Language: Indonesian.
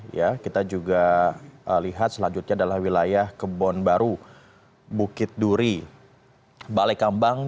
ya kita juga lihat selanjutnya adalah wilayah kebon baru bukit duri balai kambang